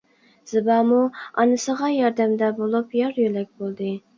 زىبامۇ ئانىسىغا ياردەمدە بولۇپ يار-يۆلەك بولدى.